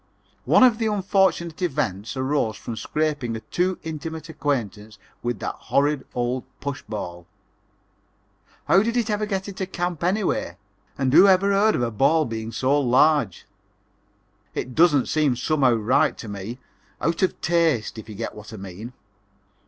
One of the unfortunate events arose from scraping a too intimate acquaintance with that horrid old push ball. How did it ever get into camp anyway, and who ever heard of a ball being so large? It doesn't seem somehow right to me out of taste, if you get what I mean.